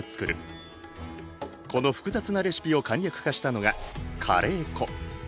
この複雑なレシピを簡略化したのがカレー粉。